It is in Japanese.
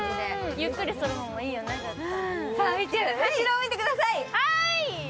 ゆっくりするのもいいよね、絶対。